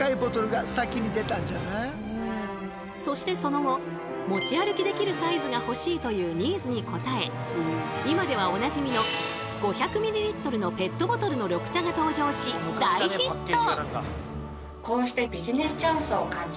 そしてその後「持ち歩きできるサイズがほしい」というニーズに応え今ではおなじみの５００ｍのペットボトルの緑茶が登場し大ヒット！